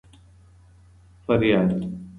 فریاد